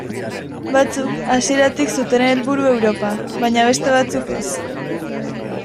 Batzuk hasieratik zuten helburu Europa, baina beste batzuk ez.